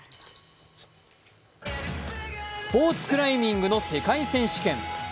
スポーツクライミングの世界選手権。